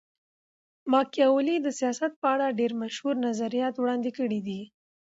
ماکیاولي د سیاست په اړه ډېر مشهور نظریات وړاندي کړي دي.